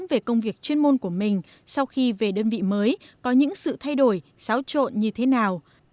về công việc chuyên môn của mình sau khi về đơn vị mới có những sự thay đổi xáo trộn như thế nào